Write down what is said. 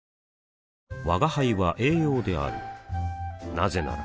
なぜなら